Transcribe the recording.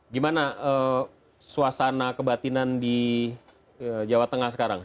gimana suasana kebatinan di jawa tengah sekarang